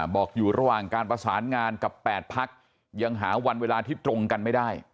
บอกอยู่ระหว่างการประสานงานกับ๘พักยังหาวันเวลาที่ตรงกันไม่ได้